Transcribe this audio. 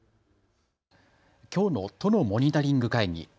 きょうの都のモニタリング会議。